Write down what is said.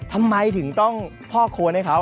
ทำไมถึงต้องพ่อควรให้เขา